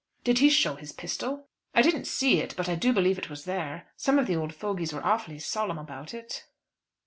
"Did he show his pistol?" "I didn't see it; but I do believe it was there. Some of the old fogies were awfully solemn about it."